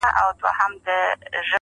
څه د بمونو څه توپونو په زور ونړیږي.!